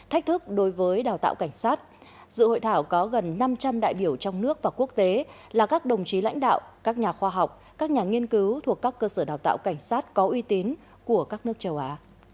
thách thức đối với đào tạo cảnh sát dự hội thảo có gần năm trăm linh đại biểu trong nước và quốc tế là các đồng chí lãnh đạo các nhà khoa học các nhà nghiên cứu thuộc các cơ sở đào tạo cảnh sát có uy tín của các nước châu á